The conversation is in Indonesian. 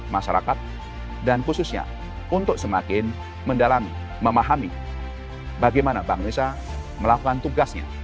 masyarakat dan khususnya untuk semakin mendalami memahami bagaimana bangsa melakukan tugasnya